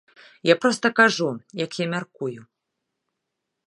Я проста кажу, як я мяркую.